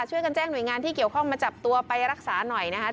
ช่วยกันแจ้งหน่วยงานที่เกี่ยวข้องมาจับตัวไปรักษาหน่อยนะคะ